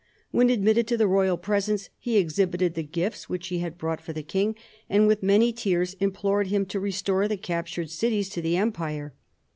When admitted to the royal presence he exhibited the gifts which ho had brought for the king, and, with many tears, implored him to restore the captured cities to the empire.